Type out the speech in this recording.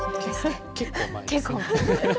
結構前ですね。